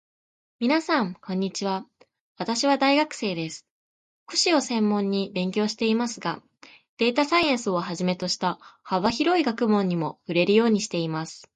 みなさん、こんにちは。私は大学生です。福祉を専門に勉強していますが、データサイエンスをはじめとした幅広い学問にも触れるようにしています。